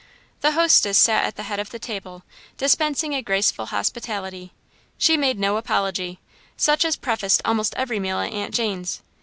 The hostess sat at the head of the table, dispensing a graceful hospitality. She made no apology, such as prefaced almost every meal at Aunt Jane's.